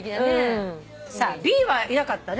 さあＢはいなかったね。